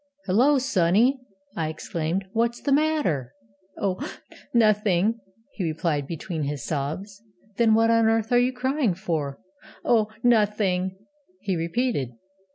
'Hullo, sonny,' I exclaimed,'what's the matter?' 'Oh, nothing!' he replied, between his sobs. 'Then what on earth are you crying for?' 'Oh, nothing!' he repeated.